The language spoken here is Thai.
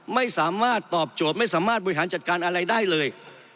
ไม่สามารถตอบโจทย์ไม่สามารถบริหารจัดการอะไรได้เลย